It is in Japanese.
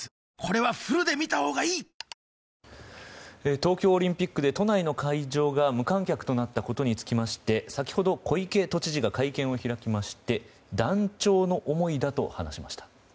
東京オリンピックで都内の会場が無観客となったことにつきまして先ほど小池都知事が会見を開きまして断腸の思いだと話しました。